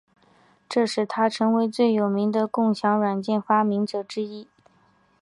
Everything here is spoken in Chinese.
这使他成为最有名的共享软件发明者之一。